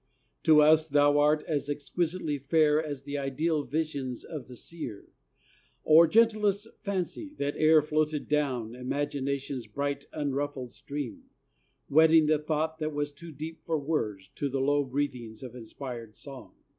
To us thou art as exquisitely fair As the ideal visions of the seer, Or gentlest fancy that e'er floated down Imagination's bright, unruffled stream, Wedding the thought that was too deep for words To the low breathings of inspirèd song.